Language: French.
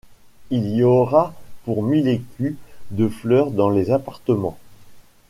Il y aura pour mille écus de fleurs dans les appartements.